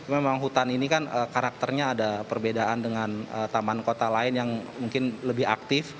memang hutan ini kan karakternya ada perbedaan dengan taman kota lain yang mungkin lebih aktif